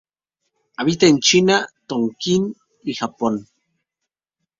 Habita en China, Tonkin y Japón.